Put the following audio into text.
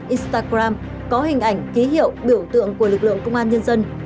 instagram có hình ảnh ký hiệu biểu tượng của lực lượng công an nhân dân